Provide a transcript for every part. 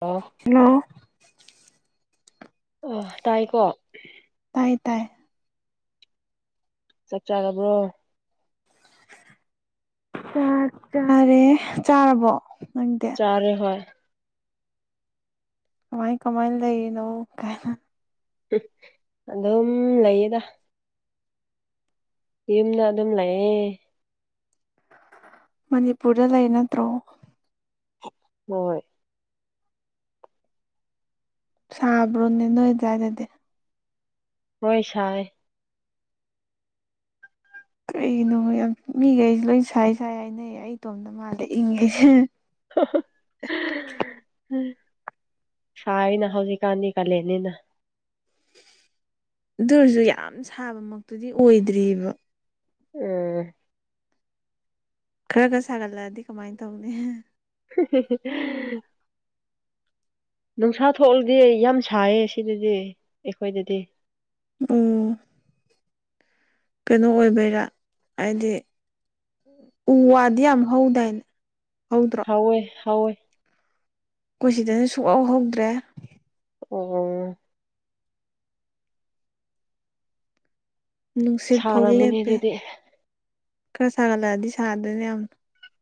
ꯑꯣ ꯍꯂ ꯑ ꯇꯥꯏꯀꯣ ꯇ ꯇꯥꯏ ꯆꯞ ꯆꯥꯒꯕ꯭ꯔꯣ ꯆꯥ ꯆꯔꯦ ꯆꯥꯔꯕꯣ ꯅꯪꯗꯤ ꯆꯔꯦ ꯍꯣꯏ ꯀꯃꯥꯏ ꯀꯃꯥꯏꯅ ꯂꯩꯅ ꯀꯥꯏꯅ ꯑꯗꯨꯝ ꯂꯩꯌꯦꯗ ꯌꯨꯝꯗ ꯑꯗꯨꯝ ꯂꯩꯥꯛꯑꯦ ꯃꯅꯤꯄꯨꯔꯗ ꯂꯩ ꯅꯠꯇ꯭ꯔꯣ ꯍꯣꯏ ꯁꯥꯕ꯭ꯔꯅꯤꯅꯣꯏꯖ ꯑꯗꯨꯗꯤ ꯍꯣꯏꯁꯥꯏ ꯀꯅꯣ ꯌꯥꯝ ꯃꯤꯈꯩꯁꯨꯦ ꯂꯣꯏ ꯁꯥꯏ ꯁꯥꯏ ꯍꯥꯏꯅꯩ ꯑꯩ ꯏꯇꯣꯝꯅ ꯃꯥꯜꯗ ꯏꯪꯉꯦꯁꯦ [unintelligible] ꯁꯅ ꯍꯧꯖꯤꯛꯀꯥꯟꯅꯤ ꯀꯂꯅꯤꯅ ꯑꯗꯨ ꯑꯣꯏꯔꯁꯨ ꯌꯥꯝ ꯁꯥꯕꯃꯛꯇꯨꯗꯤ ꯑꯣꯏꯗ꯭ꯔꯤꯑꯕ ꯎꯝ ꯈꯔ ꯈꯔ ꯁꯥꯒꯠꯂꯛꯑꯗꯤ ꯀꯃꯥꯏꯅ ꯇꯧꯅꯤ [unintelligible] ꯅꯨꯡꯁꯥ ꯊꯣꯛꯂꯗꯤ ꯌꯥꯝ ꯁꯥꯏꯌꯦ ꯁꯤꯗꯗꯤ ꯑꯩꯈꯣꯏꯗꯗꯤ ꯎ ꯀꯩꯅꯣ ꯑꯣꯏꯕꯩꯔꯥ ꯍꯥꯏꯗꯤ ꯎ ꯋꯥꯗ꯭ ꯌꯥꯝ ꯑꯃ ꯍꯧꯗꯏꯅ ꯍꯣꯏ ꯍꯣꯏ ꯑꯩꯈꯣꯏ ꯁꯤꯗꯅ ꯁꯨꯛꯍꯥꯎꯍꯧꯗ꯭ꯔꯦ ꯑꯣ ꯅꯨꯡꯁꯤꯠ ꯐꯥꯎ ꯁꯥꯔꯝꯒꯅꯤ ꯂꯦꯞꯄꯦ ꯑꯗꯨꯗꯤ ꯈꯔ ꯁꯥꯒꯠꯂꯛꯑꯗꯤ ꯁꯥꯗꯣꯏꯅꯦ ꯌꯥꯝꯅ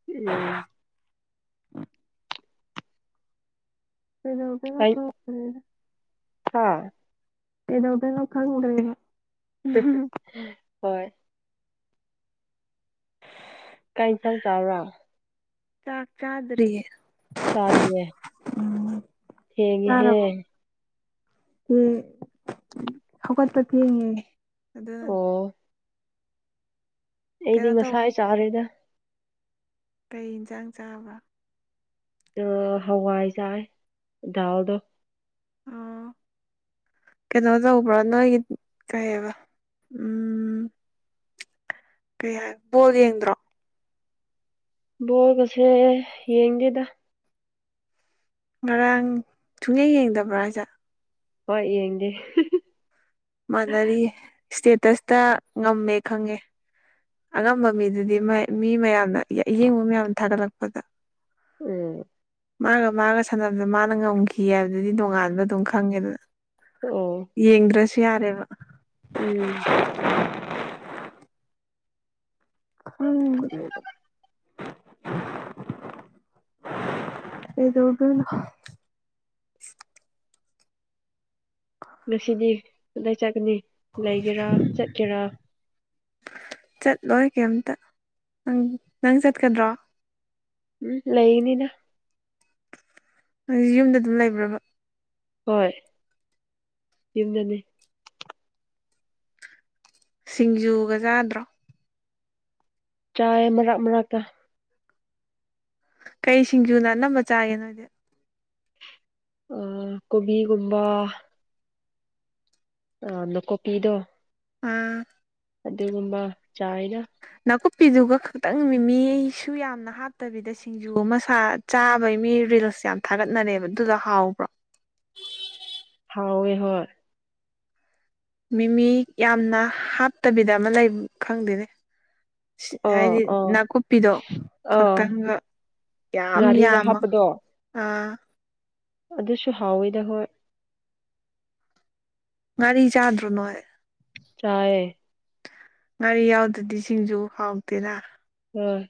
ꯎꯝ ꯎ ꯐꯗ ꯀꯩ ꯀ ꯍꯥꯥ ꯑꯦꯗꯣꯇ ꯂꯣ ꯀꯥꯠꯗ ꯍꯣꯏ ꯀꯥꯏ ꯆꯜ ꯆꯥ꯭ꯔ ꯆꯀꯗ꯭ꯔꯤ ꯆꯥꯗꯔꯤꯌꯦ ꯎꯝ ꯍꯦꯡ ꯍꯦ ꯆꯥꯔꯕꯣ ꯍꯧꯒꯠꯄ ꯊꯦꯡꯉꯦ ꯑꯗꯨꯅ ꯑꯣ ꯑꯩꯗꯤ ꯀꯩꯅꯣ ꯇꯧ ꯉꯁꯥ ꯆꯥꯔꯦꯗ ꯀꯩ ꯌꯦꯟꯁꯥꯡ ꯆꯥꯕ ꯍꯋꯥꯏ ꯆꯥꯏ ꯗꯥꯜꯗꯣ ꯑꯣ ꯀꯩꯅꯣ ꯇꯧꯕ꯭ꯔꯥ ꯅꯣꯏꯒꯤ ꯀꯩꯑꯕ ꯎꯝ ꯀꯩ ꯍꯥꯏ ꯕꯣꯜ ꯌꯦꯡꯗ꯭ꯔꯣ ꯕꯣꯔ ꯀꯁꯦ ꯌꯦꯡꯒꯦꯗ ꯉꯔꯥꯡ ꯊꯨꯡꯌꯦꯡ ꯌꯦꯡꯗꯕ꯭ꯔꯥ ꯍꯥꯏꯁꯦ ꯍꯣꯏ ꯌꯦꯡꯒꯦ ꯃꯥꯟꯅꯔꯤꯌꯦ ꯏꯁꯇꯦꯇꯁꯇ ꯉꯝꯃꯦ ꯈꯪꯉꯦ ꯑꯉꯝꯕ ꯃꯤꯗꯨꯗꯤ ꯃꯤ ꯃꯌꯥꯝꯅ ꯑꯌꯦꯡꯕ ꯃꯌꯥꯝ ꯊꯥꯒꯠꯂꯛꯄꯗ ꯎꯝ ꯃꯥꯒ ꯃꯥꯒ ꯁꯥꯟꯅꯕꯗ ꯃꯥꯅ ꯉꯝꯈꯤ ꯍꯥꯏꯕꯗꯨꯗꯤ ꯅꯣꯡꯉꯥꯟꯕ ꯑꯗꯨꯝ ꯈꯪꯉꯦꯗꯅ ꯑꯣ ꯌꯦꯡ꯭ꯔꯁꯨ ꯌꯥꯔꯦꯕ ꯎꯝ ꯍꯪ ꯑꯦꯗꯣꯒꯅ ꯉꯁꯤꯗꯤ ꯑꯗꯨꯗꯥꯏ ꯆꯠꯀꯅꯤ ꯂꯩꯒꯦꯔꯥ ꯆꯠꯀꯦꯔꯥ ꯆꯠꯂꯣꯏ ꯀꯩꯝꯇꯪ ꯅꯪ ꯆꯠꯀꯗ꯭ꯔꯣ ꯎꯝ ꯂꯩꯅꯤꯅ ꯑꯩ ꯌꯨꯝꯗ ꯑꯗꯨꯝ ꯂꯩꯕ꯭ꯔꯕ ꯍꯣꯏ ꯌꯨꯝꯗꯅꯤ ꯁꯤꯡꯖꯨꯒ ꯆꯥꯗ꯭ꯔꯣ ꯆꯥ ꯃꯔꯥꯛ ꯃꯔꯛ ꯀꯩ ꯁꯤꯡꯖꯨꯅ ꯑꯅꯝꯕ ꯆꯥꯒꯦ ꯅꯣꯏꯗꯤ ꯑ ꯀꯣꯕꯤꯒꯨꯝꯕ ꯑ ꯑꯅ ꯀꯣ ꯄꯤꯗꯣ ꯑꯝ ꯑꯗꯨꯗ ꯀꯕ ꯆꯥ ꯏꯗ ꯑꯅꯥꯀꯨꯞꯄꯤꯗꯨꯒ ꯈꯛꯇꯪ ꯃꯤ ꯃꯤꯁꯨ ꯌꯥꯝꯅ ꯍꯥꯠꯇꯕꯤꯗ ꯁꯤꯡꯖꯨ ꯑꯃ ꯁꯥ ꯆꯥꯕꯩ ꯃꯤ ꯊꯒꯠꯅꯔ ꯑꯗꯨ ꯍꯥꯎꯕ꯭ꯔ ꯍꯥꯎ ꯑꯣꯏ ꯍꯣꯏ ꯃꯤꯃꯤ ꯌꯥꯝꯅ ꯍꯥꯞꯇꯕꯤꯗ ꯑꯃ ꯂꯩ ꯈꯪꯗꯦꯅꯦ ꯑꯥ ꯍꯥꯏꯗꯤ ꯑꯥ ꯅꯥꯀꯨꯞꯄꯤꯗꯣ ꯑꯥ ꯈꯛꯇꯪꯒ ꯌꯥꯝ ꯉꯥꯔꯤꯒ ꯌꯥꯃ ꯍꯥꯞꯄꯗꯣ ꯑꯥ ꯑꯗꯨꯁꯨ ꯍꯥꯎꯋꯤꯗ ꯍꯣꯏ ꯉꯔꯤ ꯆꯥꯗ꯭ꯔꯣ ꯅꯣꯏ ꯆꯥꯌꯦ ꯉꯥꯔꯤ ꯌꯥꯎꯗ꯭ꯔꯗꯤ ꯁꯤꯡꯖꯨ ꯍꯥꯎꯗꯦꯔ ꯍꯣꯏ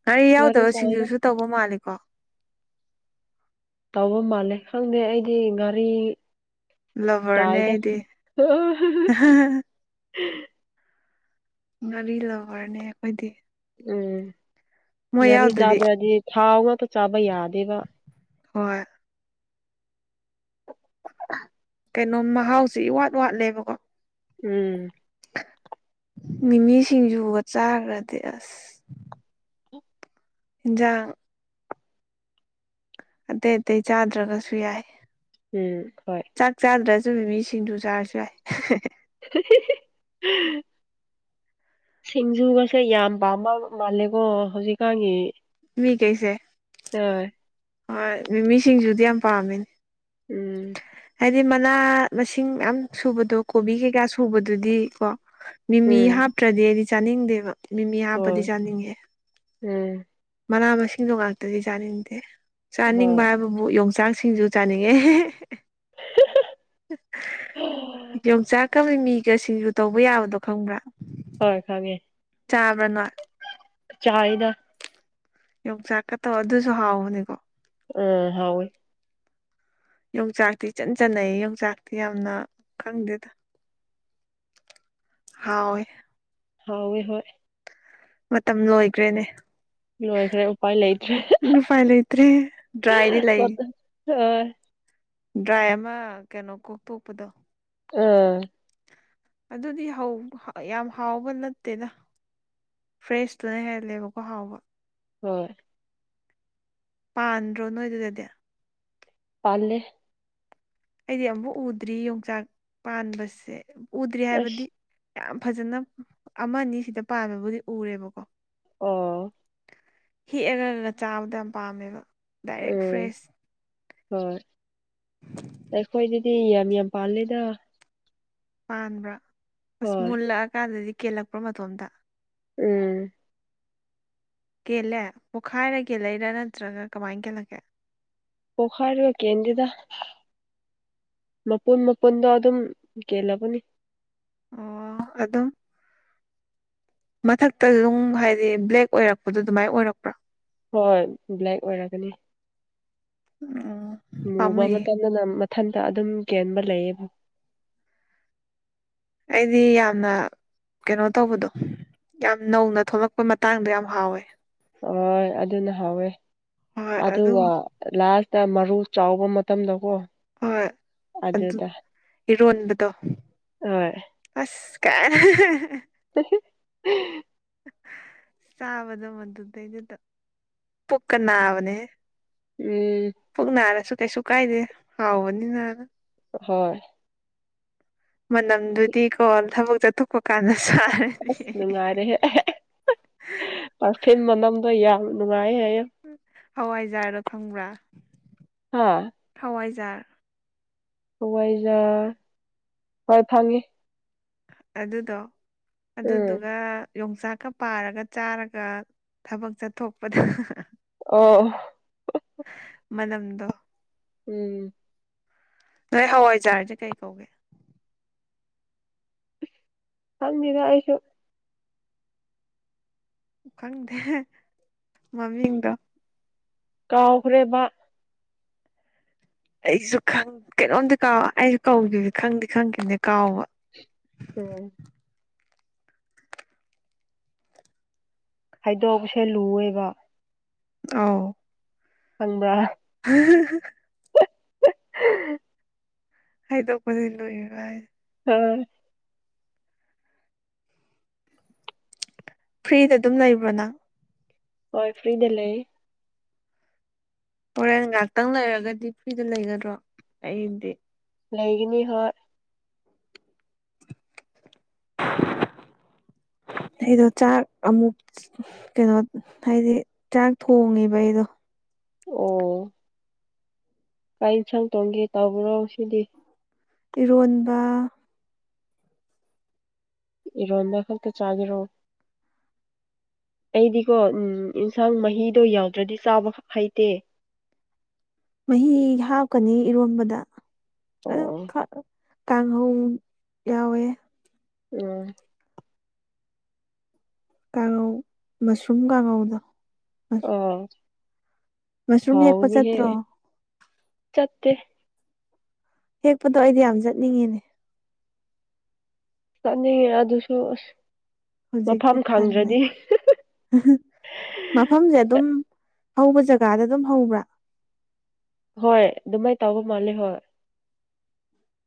ꯉꯥꯔꯤ ꯌꯥꯎꯗꯕ ꯁꯤꯡꯖꯨꯁꯨ ꯇꯧꯕ ꯃꯥꯜꯂꯤꯀꯣ ꯇꯧꯕ ꯃꯥꯜꯂꯦ ꯈꯪꯗꯦ ꯑꯩꯗꯤ ꯒꯥꯔꯤ ꯂꯚꯔꯅꯦ ꯆꯗ ꯑꯩꯗꯤ [unintelligible] ꯉꯔꯤ ꯂꯕꯔꯅꯦ ꯑꯩꯈꯣꯏꯗꯤ ꯎꯝ ꯃꯣꯏ ꯒꯥꯔꯤ ꯌꯥꯎꯗꯗꯤ ꯆꯥꯗ꯭ꯔꯗꯤ ꯊꯥꯎ ꯉꯥꯛꯇ ꯆꯥꯕ ꯌꯥꯗꯦꯕ ꯍꯣꯏ ꯀꯩꯅꯣ ꯃꯍꯥꯎꯁꯤ ꯋꯥꯠ ꯋꯥꯠꯂꯦꯕꯀꯣ ꯎꯝ ꯃꯤꯃꯤꯁꯤꯡꯖꯨ ꯋꯥ ꯆꯥꯈ꯭ꯔꯗꯤ ꯑꯁ ꯖ [unintelligible] [inaudible] ꯑꯇꯩ ꯑꯇꯩ ꯆꯥꯗ꯭ꯔꯒꯁꯨ ꯌꯥꯏ ꯎꯝ ꯍꯣꯏ ꯑꯗꯨꯅ ꯃꯤꯁꯤꯡꯗꯨ ꯆꯥꯔꯁꯨ ꯌꯥꯏ [unintelligible] [inaudible] ꯁꯤꯡꯖꯨꯒꯁꯦ ꯌꯥꯝ ꯄꯥꯃ ꯃꯥꯜꯂꯦꯀꯣ ꯍꯧꯖꯤꯛꯀꯥꯟꯒꯤ ꯇꯃꯤ ꯃꯤ ꯀꯩꯁꯦ ꯑ [unintelligible] [inaudible] ꯍꯣꯏ ꯃꯤꯃꯤꯁꯤꯡꯖꯗꯤ ꯌꯥꯝ ꯄꯥꯝꯃꯤꯅꯦ ꯎꯝ ꯍꯥꯏꯗꯤ ꯃꯅꯥ ꯃꯁꯤꯡ ꯌꯥꯝꯌꯥꯝ ꯁꯨꯕꯗꯣ ꯀꯣꯕꯤ ꯀꯩꯀꯥ ꯁꯨꯕꯗꯨꯗꯤ ꯀꯣ ꯃꯤꯃꯤ ꯎꯝ ꯍꯥꯞꯇ꯭ꯔꯗꯤ ꯑꯩꯗꯤ ꯆꯥꯅꯤꯡꯗꯦꯕ ꯃꯤꯃꯤ ꯍꯥꯞꯄꯗꯤ ꯍꯣꯏ ꯆꯥꯅꯤꯡꯉꯦ ꯎꯝ ꯃꯅꯥ ꯃꯁꯤꯡꯗꯣ ꯉꯥꯛꯇꯗꯤ ꯆꯥꯅꯤꯡꯗꯦ ꯍꯣꯏ ꯆꯥꯅꯤꯡꯕ ꯍꯥꯏꯕꯕꯨ ꯌꯣꯡꯆꯥꯛ ꯁꯤꯡꯖꯨ ꯆꯥꯅꯤꯡꯉꯦ ꯌꯣꯡꯆꯥꯛ ꯀꯕ ꯃꯤꯒꯁꯤꯁꯨ ꯇꯧꯕ ꯌꯥꯕꯗꯣ ꯈꯪꯕ꯭ꯔꯥ ꯍꯣꯏ ꯈꯪꯉꯦ ꯆꯥꯕꯔꯅꯠ ꯆꯥꯗ ꯌ ꯆꯀ ꯇ ꯑꯣ ꯑꯗꯨꯁꯨ ꯍꯥꯎꯅꯤꯒꯣ ꯎꯝ ꯍꯥꯎ ꯌꯣꯡꯆꯥꯛꯇꯤ ꯏꯆꯟ ꯆꯅꯩ ꯌꯣꯡꯆꯥꯛꯇꯤ ꯌꯥꯝꯅ ꯈꯪꯗꯦꯗ ꯍꯣꯏ ꯍꯥꯎꯋꯦ ꯍꯣꯏ ꯃꯇꯝ ꯂꯣꯏꯈ꯭ꯔꯦꯅꯦ ꯂꯣꯏꯈ꯭ꯔꯦ ꯎꯄꯥꯏ ꯂꯩꯇ꯭ꯔꯦ ꯎ ꯐꯥꯏ ꯂꯩꯇ꯭ꯔꯦ ꯗ꯭ꯔꯥꯏꯗꯤ ꯂꯩ ꯑ [unintelligible] [inaudible] ꯗ꯭ꯔꯥꯏ ꯑꯃ ꯀꯩꯅꯣ ꯀꯣꯛꯇꯣꯛꯄꯗꯣ ꯑꯥ [unintelligible] [inaudible] ꯑꯗꯨꯗꯤ ꯌꯥꯝ ꯍꯥꯎꯕ ꯅꯠꯇꯦꯅ ꯐ꯭ꯔꯦꯁꯇꯨꯅ ꯍꯦꯜꯂꯦꯕꯀꯣ ꯍꯥꯎꯕ ꯍꯣꯏ ꯄꯥꯟꯗ꯭ꯔꯣ ꯅꯣꯏ ꯑꯗꯨꯗꯗꯤ ꯂꯩꯦ [unintelligible] [inaudible] ꯑꯩꯗꯤ ꯑꯃꯨꯛ ꯎꯗ꯭ꯔꯤ ꯌꯣꯡꯆꯥꯛ ꯄꯥꯟꯕꯁꯦ ꯎꯗ꯭ꯔꯤ ꯍꯥꯏꯕꯗꯤ ꯑꯁ ꯌꯥꯝ ꯐꯖꯅ ꯑꯃꯅꯤ ꯁꯤꯗ ꯄꯥꯟꯕꯕꯨꯗꯤ ꯎꯔꯦꯕꯀꯣ ꯑꯣ ꯍꯦꯛꯑꯒꯅ ꯆꯥꯕꯗ ꯌꯥꯝ ꯄꯥꯝꯃꯦꯕ ꯗꯥꯏꯔꯦꯦꯛ ꯐ꯭ꯔꯦꯁ ꯑꯩꯈꯣꯏ ꯑꯗꯨꯗꯤ ꯌꯥꯝ ꯌꯥꯝ ꯄꯥꯜꯂꯦꯗ ꯄꯥꯟꯕ꯭ꯔꯥ ꯑꯁ ꯍꯣꯏ ꯃꯨꯜꯂꯛꯑꯀꯥꯟꯗꯗꯤ ꯀꯦꯜꯂꯛꯄ꯭ꯔ ꯃꯇꯣꯝꯗ ꯎꯝ ꯀꯦꯜꯂꯦ ꯄꯣꯛꯈꯥꯏꯔ ꯀꯦꯜꯂꯩꯔꯥ ꯅꯠꯇ꯭ꯔꯒ ꯀꯃꯥꯏ ꯀꯦꯜꯂꯒꯦ ꯄꯈꯥꯔ ꯋꯥ ꯀꯦ ꯌꯦꯟꯗꯤꯗ ꯃꯄꯨꯟ ꯃꯄꯨꯟꯗꯣ ꯑꯗꯨꯝ ꯀꯦꯜꯂꯕꯅꯤ ꯑꯣ ꯑꯗꯣ ꯃꯊꯛꯇ ꯑꯗꯨꯝ ꯍꯥꯏꯗꯤ ꯕ꯭ꯂꯦꯛ ꯑꯣꯏꯔꯛꯄꯗꯣ ꯑꯗꯨꯃꯥꯏꯅ ꯑꯣꯏꯔꯛꯄ꯭ꯔꯥ ꯍꯣꯏ ꯕ꯭ꯂꯦꯛ ꯑꯣꯏꯔꯒꯅꯤ ꯎꯝ ꯃꯨꯕ ꯄꯥꯝꯃꯨꯏꯌꯦ ꯃꯇꯝꯗꯅ ꯃꯊꯟꯇ ꯑꯗꯨꯝ ꯀꯦꯟꯕ ꯂꯩꯌꯦꯕ ꯑꯩꯗꯤ ꯌꯥꯝꯅ ꯀꯩꯅꯣ ꯇꯧꯕꯗꯣ ꯌꯥꯝ ꯅꯧꯅ ꯊꯣꯛꯂꯛꯄꯩ ꯃꯇꯥꯡꯗꯣ ꯌꯥꯝ ꯍꯥꯎꯋꯦ ꯍꯣꯏ ꯑꯗꯨꯅ ꯍꯥꯎꯋꯦ ꯍꯣꯏ ꯑꯗꯨ ꯑꯗꯨꯒ ꯂꯥꯁ ꯛꯇ ꯃꯔꯨ ꯆꯥꯎꯕ ꯃꯇꯝꯗꯀꯣ ꯍꯣꯏ ꯑꯗꯨ ꯑꯗꯨꯗ ꯏꯔꯣꯟꯕꯗꯣ ꯍꯣꯏ ꯑꯁ [unintelligible] [inaudible] ꯆꯥꯕꯗ ꯃꯗꯨꯗꯩꯗꯨꯗ ꯄꯨꯛꯀ ꯅꯥꯕꯅꯦ ꯎꯝ ꯇꯁꯨ ꯀꯥꯏꯗꯦ ꯍꯥꯎꯅꯤꯅꯅ ꯍꯣꯏ ꯃꯅꯝꯗꯨꯗꯤꯀꯣ ꯊꯕꯛ ꯆꯠꯊꯣꯛꯄ ꯀꯥꯟꯗ ꯆꯥꯔꯗꯤ ꯑꯁ ꯅꯨꯡꯉꯥꯏꯔꯦ ꯄꯔꯐꯤꯟ ꯃꯅꯝꯗꯣ ꯌꯥꯝ ꯅꯨꯡꯉꯥꯏ ꯍꯥꯏ ꯌꯥ ꯍꯋꯥꯏꯖꯥꯔꯗꯣ ꯐꯪꯕ꯭ꯔꯥ ꯍꯥꯥ ꯆꯔ ꯍꯋꯥꯏꯖꯥꯔ ꯈꯔ ꯊꯥꯡꯉꯤ ꯑꯗꯨꯗꯣ ꯎꯝ ꯑꯗꯨꯗꯨꯒ ꯌꯣꯡꯆꯥꯛꯀ ꯄꯥꯔꯒ ꯆꯥꯔꯒ ꯊꯕꯛ ꯆꯠꯊꯣꯛꯄꯗ ꯑꯣ ꯃꯅꯝꯗ ꯎꯝ ꯅꯣꯏ ꯍꯋꯥꯏꯖꯥꯔꯗꯤ ꯀꯩ ꯀꯧꯒꯦ ꯍꯪꯅꯤꯗ ꯍꯥꯏꯥꯏꯁꯨ ꯈꯪꯗꯦ ꯃꯃꯤꯡꯗꯣ ꯀꯥꯎꯈ꯭ꯔꯦꯕ ꯑꯩꯁꯨ ꯀꯩꯅꯣꯝꯗꯤ ꯀꯥꯎ ꯑꯩꯁꯨ ꯀꯧꯈꯤꯕ ꯈꯪꯗꯤ ꯈꯪꯈꯤꯕꯅꯦ ꯀꯥꯎꯕ ꯎꯝ ꯍꯥꯏꯗꯣꯛꯄꯁꯦ ꯂꯨꯑꯦꯕ ꯑꯥꯎ ꯈꯪꯕ꯭ꯔꯥ [inaudible] ꯑꯩꯗ ꯀꯣꯏ ꯂꯣꯏꯚꯥꯏ ꯎꯝ ꯐ꯭ꯔꯤꯗ ꯑꯗꯨꯝ ꯂꯩꯕ꯭ꯔꯅ ꯍꯣꯏ ꯐ꯭ꯔꯤꯗ ꯂꯩ ꯍꯣꯔꯦꯟ ꯉꯥꯛꯇꯪ ꯂꯩꯔꯒꯗꯤ ꯐ꯭ꯔꯤꯗ ꯂꯩꯒꯗ꯭ꯔꯣ ꯑꯩꯗꯤ ꯂꯩꯒꯅꯤ ꯍꯣꯏ [unintelligible] ꯑꯩꯗꯣ ꯆꯥꯛ ꯑꯃꯨꯛ ꯀꯩꯅꯣ ꯍꯥꯏꯗꯤ ꯆꯥꯛ ꯊꯣꯡꯉꯦꯕ ꯑꯩꯗꯣ ꯑꯣ ꯀꯥꯏ ꯌꯦꯟꯁꯥꯡ ꯇꯣꯡꯒꯦ ꯇꯕ꯭ꯔꯣ ꯁꯤꯗꯤ ꯏꯔꯣꯟꯕ ꯏꯔꯝꯗꯥ ꯈꯜ ꯀ ꯆꯥꯗꯔꯣ ꯑꯩꯗꯤꯀꯣ ꯎꯝ ꯑꯦꯟꯁꯥꯡ ꯃꯍꯤꯗꯣ ꯌꯥꯎꯗ꯭ꯔꯗꯤ ꯆꯥꯕ ꯍꯩꯇꯦ ꯃꯍꯤ ꯍꯥꯞꯀꯅꯤ ꯏꯔꯣꯟꯝꯕꯗ ꯑꯗꯨ ꯑꯣ [unintelligible] ꯀꯥꯡꯍꯧ ꯌꯥꯎꯋꯦ ꯎꯝ ꯀꯥꯡꯉꯧ ꯃꯁꯔꯨꯝ ꯀꯥꯡꯉꯧꯗꯣ ꯑꯥ ꯃꯁꯔꯨꯝꯝꯅꯤ ꯌꯦꯛꯄ ꯍꯥꯎꯅꯤꯍꯦ ꯆꯠꯇ꯭ꯔꯣ ꯆꯠꯇꯦ ꯍꯦꯛꯄꯗꯣ ꯑꯩꯗꯤ ꯌꯥꯝ ꯆꯠꯅꯤꯡꯉꯤꯅꯦ ꯆꯅꯤ ꯌꯥ ꯑꯗꯨꯁꯨꯣ ꯍꯧꯖꯤꯛꯇꯛꯇꯤ ꯇꯦ ꯃꯐꯝꯁꯦ ꯑꯗꯨꯝ ꯍꯧꯕ ꯖꯒꯥꯗ ꯑꯗꯨꯝ ꯍꯧꯕ꯭ꯔꯥ ꯍꯣꯏ ꯑꯗꯨꯃꯥꯏꯅ ꯇꯧꯕ ꯃꯥꯜꯂꯦ ꯍꯣꯏ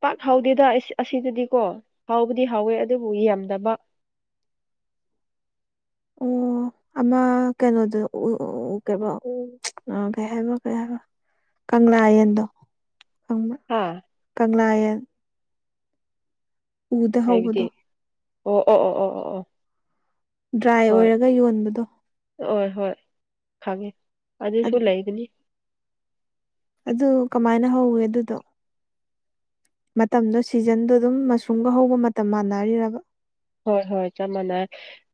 ꯄꯥꯛ ꯍꯥꯎꯗꯦꯗ ꯑꯁꯤꯗꯗꯤꯀꯣ ꯍꯥꯎꯕꯗꯤ ꯍꯥꯎꯋꯦ ꯑꯗꯨꯕꯨ ꯌꯥꯝꯗꯕ [inaudible] ꯑꯣ ꯑꯃ ꯀꯩꯅꯣꯗ ꯀ ꯀꯩ ꯍꯥꯏꯕ ꯀꯩ ꯍꯥꯏꯕ ꯀꯪꯂꯥ ꯌꯦꯌꯦꯟꯗꯣ ꯀꯪꯂꯥ ꯍꯥ ꯀꯪꯂꯥꯌꯦꯟ ꯎꯗ ꯍꯥꯏꯕꯗꯤ ꯍꯒꯗꯣ ꯑꯣ ꯑꯣ ꯑꯣ ꯑꯣ ꯑꯣ ꯑꯣ ꯗ꯭ꯔꯥꯏ ꯍꯣꯏ ꯑꯣꯏꯔꯒ ꯌꯣꯟꯕꯗꯣ ꯍꯣꯏ ꯍꯣꯏ ꯈꯪꯉꯦ ꯑꯗꯨꯁꯨ ꯂꯩꯒꯅꯤ ꯑꯗꯨ ꯀꯃꯥꯏꯅ ꯍꯧꯋꯦ ꯑꯗꯨꯗꯣ ꯃꯇꯝꯗꯣ ꯁꯤꯖꯟꯗꯣ ꯑꯗꯨꯝ ꯃꯁꯔꯨꯝꯒ ꯍꯧꯕ ꯃꯇꯝ ꯃꯥꯟꯅꯔꯤꯔꯕ ꯍꯣꯏ ꯍꯣꯏ ꯆꯞ ꯃꯥꯟꯅꯩ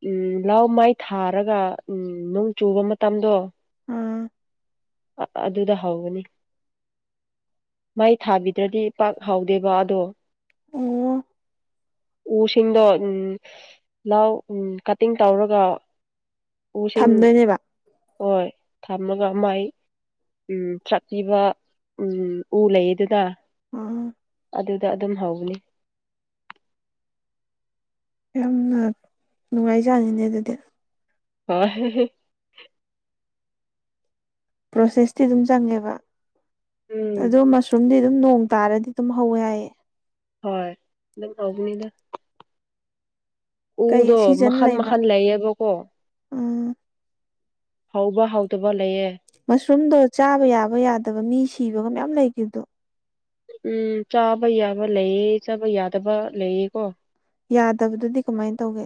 ꯎꯝ ꯂꯥꯎ ꯃꯥꯏ ꯊꯥꯔꯒ ꯎꯝ ꯅꯣꯡ ꯆꯨꯕ ꯃꯇꯝꯗꯣ ꯑꯥ ꯑꯗꯨꯗ ꯍꯧꯒꯅꯤ ꯃꯩ ꯊꯥꯕꯤꯗ꯭ꯔꯗꯤ ꯄꯥꯛ ꯍꯥꯎꯗꯦꯕ ꯑꯗꯣ ꯑꯣ ꯎꯁꯤꯡꯗꯣ ꯎ ꯂꯥꯎ ꯎ ꯀꯠꯇꯤꯡ ꯇꯧꯔꯒ ꯎꯁꯤꯡ ꯊꯝꯗꯣꯏꯅꯦꯕ ꯍꯣꯏ ꯊꯝꯃꯒ ꯑꯃꯥꯏ ꯎꯝ ꯊꯥꯛꯄꯤꯕ ꯎ ꯎ ꯂꯩ ꯑꯗꯨꯅ ꯑꯥ ꯑꯗꯨꯗ ꯑꯗꯨꯝ ꯍꯧꯕꯅꯤ ꯌꯥꯝꯅ ꯅꯨꯡꯉꯥꯏꯖꯅꯤꯅꯦ ꯑꯗꯨꯗꯤ ꯑ ꯄ꯭ꯔꯣꯁꯦꯁꯇꯤ ꯑꯗꯨꯝ ꯆꯪꯉꯦꯕ ꯎꯝ ꯑꯗꯨ ꯃꯁꯔꯨꯝꯗꯤ ꯑꯗꯨꯝ ꯅꯣꯡ ꯇꯥꯔꯗꯤ ꯑꯗꯨꯝ ꯍꯧꯋꯦ ꯌꯥꯏꯌꯦ ꯍꯣꯏ ꯑꯗꯨꯝ ꯑꯒꯅꯤꯗ ꯀꯩ ꯎꯗꯣ ꯃꯈꯜ ꯃꯈꯜ ꯂꯩꯌꯦꯕꯀꯣ ꯎꯥ ꯍꯧꯕ ꯍꯧꯗꯕ ꯂꯩꯑꯦ ꯃꯁꯔꯨꯝꯗꯣ ꯆꯥꯕ ꯌꯥꯕ ꯌꯥꯗꯕ ꯃꯤ ꯁꯤꯕꯒ ꯃꯌꯥꯝ ꯂꯩꯈꯤꯕꯗꯣ ꯎꯝ ꯆꯥꯕ ꯌꯥꯕ ꯂꯩꯑ ꯆꯥꯕ ꯌꯥꯗꯕ ꯂꯩꯌꯦꯀꯣ ꯌꯥꯗꯕꯗꯗꯤ ꯀꯃꯥꯏꯅ ꯇꯧꯒꯦ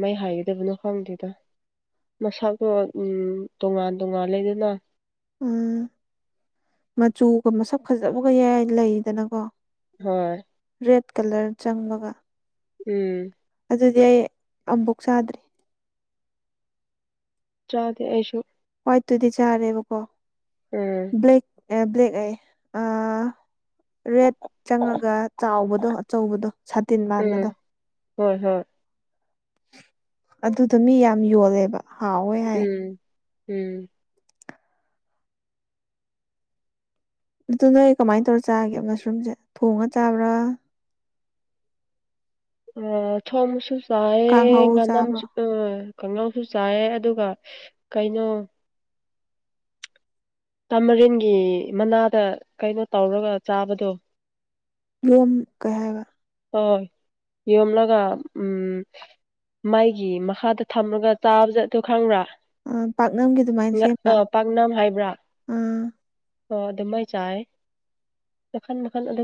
ꯃꯩ ꯍꯥꯏꯒꯗꯕꯅꯣ ꯈꯪꯗꯦꯗ ꯃꯁꯥꯇꯣ ꯇꯣꯉꯥꯟ ꯇꯣꯉꯥꯟ ꯂꯩꯗꯅ ꯎꯝ ꯃꯆꯨꯒ ꯃꯁꯛ ꯐꯖꯕꯒ ꯌꯥꯏ ꯂꯩꯗꯅꯀꯣ ꯍꯣꯏ ꯔꯦꯗ ꯀꯂꯔ ꯆꯪꯕꯒ ꯎꯝ ꯑꯗꯨꯗꯤ ꯑꯩ ꯑꯕꯨꯛ ꯆꯥꯗ꯭ꯔꯔꯤ ꯆꯗ ꯑꯩꯁꯨ ꯀꯣꯏꯠꯇꯨꯗꯤ ꯆꯔꯦꯕꯣꯀꯣ ꯎꯝ ꯑꯦ ꯕ꯭ꯂꯦꯛꯦꯛ ꯑ ꯑ ꯔꯦꯠ ꯆꯪꯉꯒ ꯆꯥꯎꯕꯗꯣ ꯑꯆꯧꯕꯗꯣ ꯁꯥꯇꯤꯟ ꯃꯥꯟꯕꯗꯣ ꯎꯝ ꯍꯣꯏ ꯍꯣꯏ ꯑꯗꯨꯗ ꯃꯤ ꯌꯥꯝ ꯌꯣꯜꯂꯦꯕ ꯍꯥꯎꯋꯦ ꯍꯥꯏꯌꯦ ꯎꯝ ꯎꯝ ꯑꯗꯨ ꯅꯣꯏ ꯀꯃꯥꯏꯅ ꯇꯧꯔ ꯆꯥꯒꯦ ꯃꯁꯔꯨꯝꯁꯦ ꯊꯣꯡꯉ ꯆꯥꯕ꯭ꯔꯥ ꯑ ꯊꯣꯃꯁꯨ ꯆꯑꯦ ꯀꯥꯡꯍꯧ ꯆꯥꯕ꯭ꯔꯥ ꯉꯅꯝꯁꯨ ꯎ ꯀꯥꯡꯉꯧꯁꯨ ꯆꯥꯏꯌꯦ ꯑꯗꯨꯒ ꯀꯩꯅꯣ ꯇꯥꯃꯔꯤꯦꯟꯒꯤ ꯃꯅꯥꯗ ꯀꯩꯅꯣ ꯇꯧꯔꯒ ꯆꯥꯕꯗꯣ ꯔꯝ ꯀꯦꯕ ꯍꯣꯏ ꯌꯣ ꯑꯃꯂꯒ ꯎꯝ ꯃꯥꯏꯒꯤ ꯃꯈꯥꯗ ꯊꯝꯃꯒ ꯆꯥꯕꯁ ꯑꯗꯨ ꯈꯪꯕ꯭ꯔꯥ ꯄꯥꯛꯅꯝꯒꯤ ꯑꯗꯨꯃꯥꯏꯅ ꯁꯦꯝꯕ ꯑ ꯄꯥꯛꯅꯝ ꯍꯥꯏꯕ꯭ꯔꯥ ꯑꯥ ꯑꯣ ꯑꯗꯨ ꯃꯥꯏ ꯆꯥꯏ ꯃꯈꯟ ꯃꯈꯜ ꯑꯗꯨꯝ